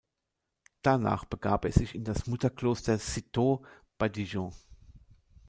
Danach begab er sich in das Mutterkloster Cîteaux bei Dijon.